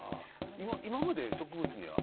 今まで植物には？